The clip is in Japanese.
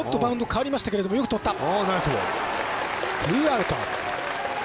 ツーアウト。